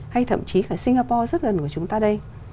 hay thậm chí cả singapore rất gần của chúng ta đây